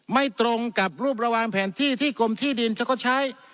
ไม่ตรงกับรูประวางแผนที่ที่กรมที่ดินจะเขาใช้